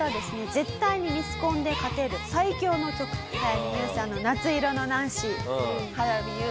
絶対にミスコンで勝てる最強の曲早見優さんの『夏色のナンシー』。